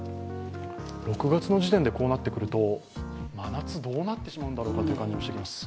６月の時点でこうなってくると真夏はどうなってしまうんだろうという感じもします。